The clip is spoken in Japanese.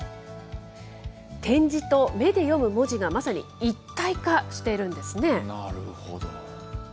点字と目で読む文字がまさに一体化しているんですね。